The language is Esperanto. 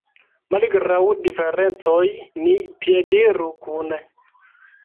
Malgraŭ diferencoj ni piediru kune.